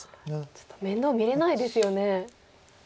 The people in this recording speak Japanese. ちょっと面倒見れないですよね。